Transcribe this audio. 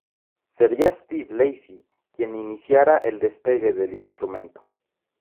Sería Steve Lacy quien iniciara el despegue del instrumento.